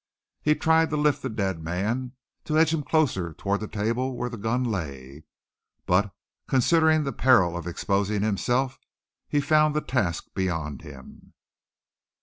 He tried to lift the dead man, to edge him closer toward the table where the gun lay. But, considering the peril of exposing himself, he found the task beyond him.